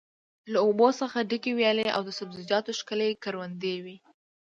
له اوبو څخه ډکې ویالې او د سبزیجاتو ښکلې کروندې وې.